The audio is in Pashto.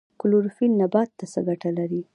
کلوروفیل نبات ته څه ګټه لري؟